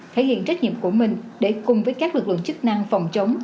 thể hiện trách nhiệm của mình để cùng với các lực lượng chức năng phòng chống